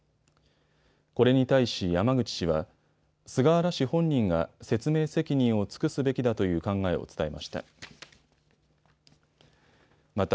これに対し山口氏は菅原氏本人が説明責任を尽くすべきだという考えを伝えました。